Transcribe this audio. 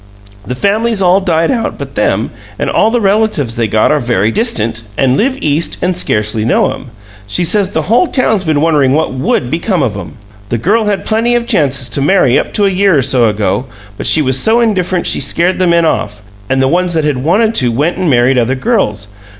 The family's all died out but them, and all the relatives they got are very distant, and live East and scarcely know 'em. She says the whole town's been wondering what WOULD become of 'em. The girl had plenty chances to marry up to a year or so ago, but she was so indifferent she scared the men off, and the ones that had wanted to went and married other girls.